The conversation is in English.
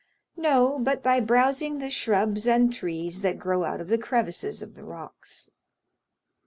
"No, but by browsing the shrubs and trees that grow out of the crevices of the rocks."